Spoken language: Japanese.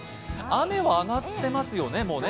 雨は上がっていますよね、もうね。